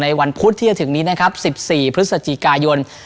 วันพุธที่จะถึงนี้นะครับ๑๔พฤศจิกายน